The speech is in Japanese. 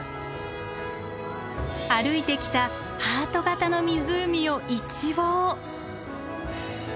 歩いてきたハート形の湖を一望！